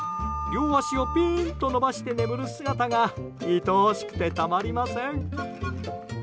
両足をピーンと伸ばして眠る姿がいとおしくてたまりません。